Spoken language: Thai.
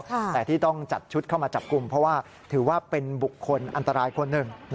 แต่ที่ต้องจัดชุดเข้ามาจับกลุ่มเพราะว่าถือว่าเป็นบุคคลอันตรายคนหนึ่ง